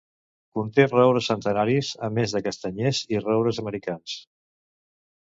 Conté roures centenaris a més de castanyers i roures americans.